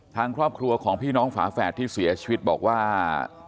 ทางครอบครัวของพี่น้องฝาแฝดที่เสียชีวิตบอกว่า